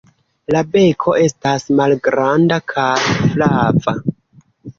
La beko estas malgranda kaj flava.